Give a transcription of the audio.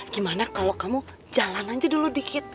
gimana kalau kamu jalan aja dulu dikit